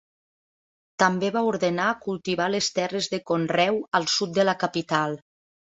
També va ordenar cultivar les terres de conreu al sud de la capital.